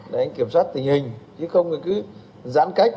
để anh kiểm soát tình hình chứ không cứ giãn cách